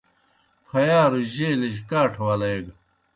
پھیارُجیْ جیلِجیْ کاٹھہ ولیگہ۔